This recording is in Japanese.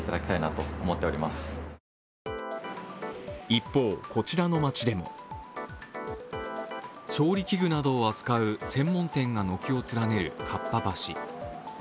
一方、こちらの街でも調理器具などを扱う専門店が軒を連ねる、かっぱ橋。